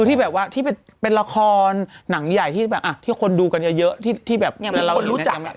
แหละวะที่เป็นละครหนังใหญ่ที่คนดูกันเยอะที่แบบคนรู้จัก